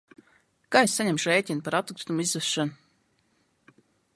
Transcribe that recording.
Kā es saņemšu rēķinu par atkritumu izvešanu?